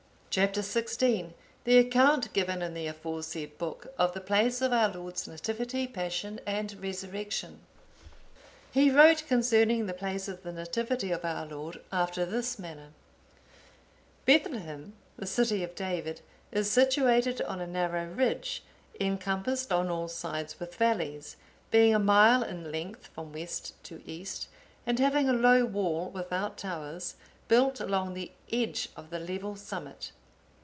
(860) Chap. XVI. The account given in the aforesaid book of the place of our Lord's Nativity, Passion, and Resurrection. He wrote concerning the place of the Nativity of our Lord, after this manner:(861) "Bethlehem, the city of David, is situated on a narrow ridge, encompassed on all sides with valleys, being a mile in length from west to east, and having a low wall without towers, built along the edge of the level summit.